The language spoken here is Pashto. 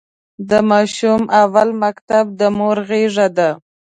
د ماشوم اول مکتب د مور غېږ ده.